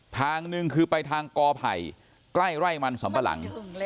ทางหนึ่งคือไปทางกอไผ่ใกล้ไร่มันสำปะหลัง